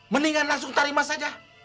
mendingan langsung tarima saja